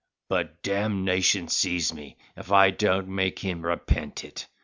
but d—ion seize me, if I don't make him repent it!